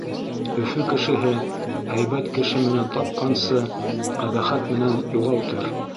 Өфө кешеһе, һәйбәт кеше менән тапҡансы, ҡәбәхәт менән юғалтыр.